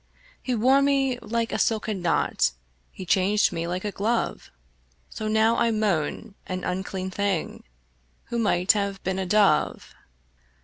He wore me like a silken knot, He changed me like a glove; So now I moan, an unclean thing, Who might have been a dove.